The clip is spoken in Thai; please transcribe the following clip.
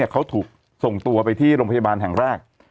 เขาถูกส่งตัวไปที่โรงพยาบาลแห่งแรก